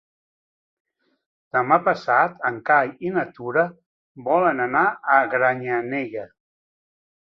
Demà passat en Cai i na Tura volen anar a Granyanella.